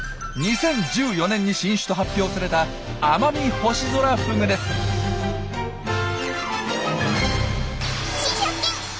２０１４年に新種と発表されたアマミホシゾラフグです。